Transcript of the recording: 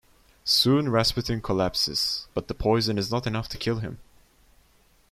Soon Rasputin collapses, but the poison is not enough to kill him.